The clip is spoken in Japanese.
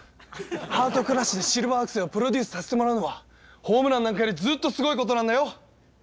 ハートクラッシュでシルバーアクセをプロデュースさせてもらうのはホームランなんかよりずっとすごいことなんだよ！